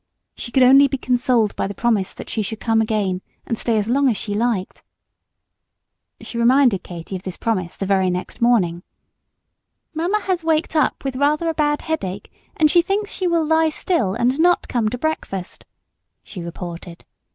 She could only be consoled by the promise that she should soon come again and stay as long as she liked. She reminded Katy of this promise the very next morning. "Mamma has waked up with rather a bad headache, and she thinks she will lie still and not come to breakfast," she reported.